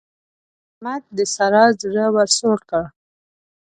احمد د سارا زړه ور سوړ کړ.